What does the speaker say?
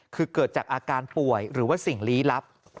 คือเกิดจากอาการป่วยหรือว่าสิ่งลี้ลับ